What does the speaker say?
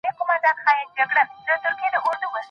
اې دروېشه ! وم مجبوره دى بيده و